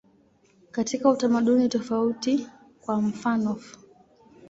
Katika utamaduni tofauti, kwa mfanof.